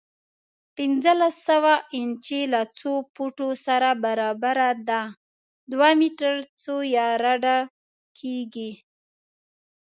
پنځلس سوه انچه له څو فوټو سره برابره ده؟ دوه میټر څو یارډه کېږي؟